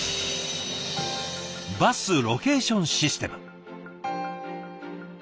バスロケーションシステム。